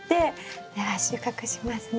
では収穫しますね。